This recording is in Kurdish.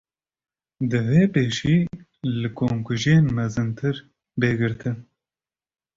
Divê pêşî li komkujiyên mezintir, bê girtin